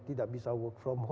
itu tidak bisa work from home ya